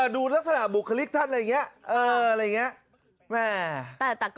ดูลักษณะบุคลิกท่านอะไรอย่างนี้